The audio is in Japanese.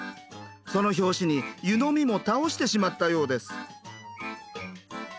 その拍子に湯飲みも倒してしまったようです。